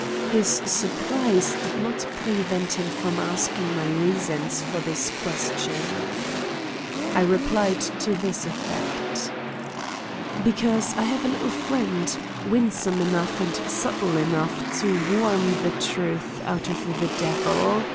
His surprise did not prevent him from asking my reasons for this question. I replied to this effect: "Because I have a little friend, winsome enough and subtle enough to worm the truth out of the devil.